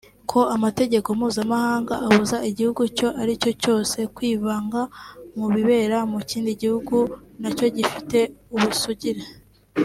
ko amategeko mpuzamahanga abuza igihugu icyo aricyo cyose kwivanga mu bibera mu kindi gihugu nacyo gifite ubusugire